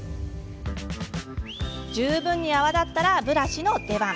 十分泡立ったら、ブラシの出番。